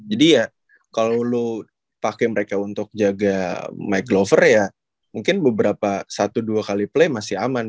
jadi ya kalau lu pakai mereka untuk jaga mike glover ya mungkin beberapa satu dua kali play masih aman